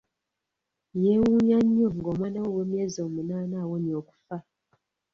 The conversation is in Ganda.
Yeewuunya nnyo ng'omwana we ow'emyezi omunaana awonye okufa.